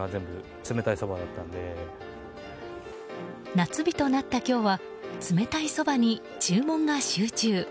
夏日となった今日は冷たいそばに注文が集中。